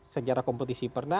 sejarah kompetisi pernah